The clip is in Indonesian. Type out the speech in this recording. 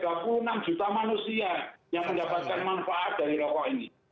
ada tiga puluh enam juta manusia yang mendapatkan manfaat dari rokok ini